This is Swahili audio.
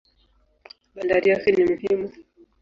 Bandari yake ni muhimu.